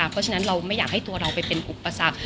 เพราะฉะนั้นเราไม่อยากให้ตัวเราไปเป็นอุปสรรค